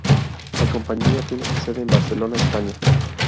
La compañía tiene su sede en Barcelona, España.